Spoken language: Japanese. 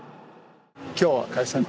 今日は解散。